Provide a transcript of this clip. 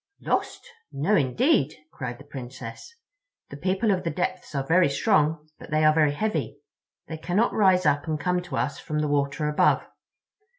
"Lost? No, indeed," cried the Princess. "The People of the Depths are very strong, but they are very heavy. They cannot rise up and come to us from the water above.